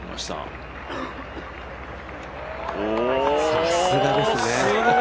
さすがですね。